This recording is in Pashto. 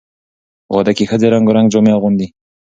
په واده کې ښځې رنګارنګ جامې اغوندي.